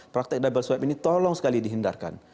praktik double swipe ini tolong sekali dihindarkan